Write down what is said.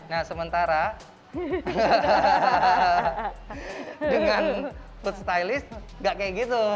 nah sementara dengan food stylist gak kayak gitu